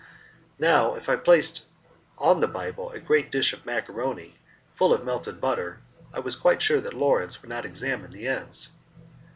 Now, if I placed on the Bible a great dish of macaroni full of melted butter I was quite sure that Lawrence would not examine the ends.